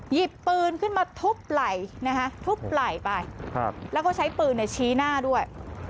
หยิบปืนขึ้นมาทุบไหล่ทุบไหล่ไปแล้วก็ใช้ปืนชี้หน้าด้วย